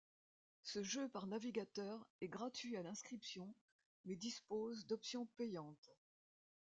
Ce jeu par navigateur est gratuit à l'inscription, mais dispose d'options payantes.